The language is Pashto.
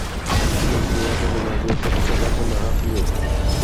زموږ هیواد د منابعو څخه ښه ګټه نه اخلي.